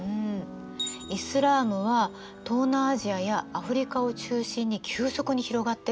イスラームは東南アジアやアフリカを中心に急速に広がってるの。